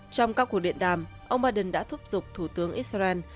trong các cuộc điện đàm ông biden đã thúc giục thủ tướng israel